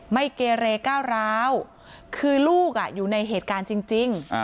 ไม่เกเรก้าวร้าวคือลูกอยู่ในเหตุการณ์จริง